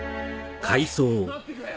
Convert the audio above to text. おい待ってくれよ！